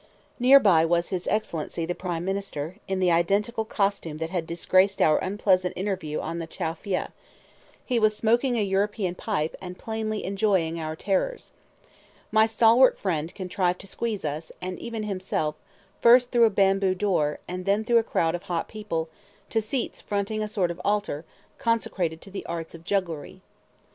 Near by was his Excellency the Prime Minister, in the identical costume that had disgraced our unpleasant interview on the Chow Phya; he was smoking a European pipe, and plainly enjoying our terrors. My stalwart friend contrived to squeeze us, and even himself, first through a bamboo door, and then through a crowd of hot people, to seats fronting a sort of altar, consecrated to the arts of jugglery.